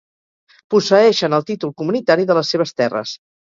Posseeixen el títol comunitari de les seves terres.